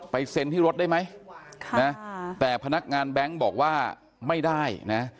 เซ็นที่รถได้ไหมแต่พนักงานแบงค์บอกว่าไม่ได้นะ